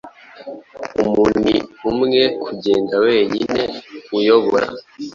Umuni umwe, kugenda wenyine, uyobora